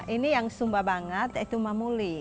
ini yang sumba banget yaitu mamuli